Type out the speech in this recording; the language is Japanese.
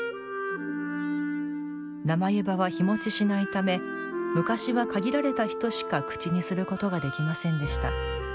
生湯葉は日もちしないため昔は限られた人しか口にすることができませんでした。